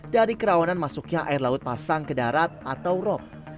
dari kerawanan masuknya air laut pasang ke darat atau rop